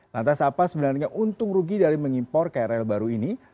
lantas apa sebenarnya untung rugi dari mengimpor krl baru ini